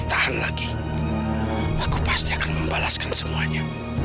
sampai jumpa di video selanjutnya